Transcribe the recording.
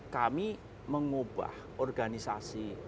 kami mengubah organisasi